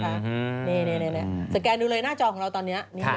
ก็จะสแกนหน้าจอของเราตอนนี้เลย